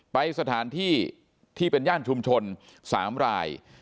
ไปสถานที่ที่เป็นย่านชุมชน๓ราย